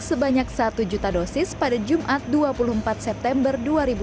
sebanyak satu juta dosis pada jumat dua puluh empat september dua ribu dua puluh